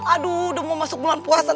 aduh udah mau masuk bulan puasa